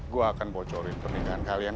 gue akan bocorin pernikahan kalian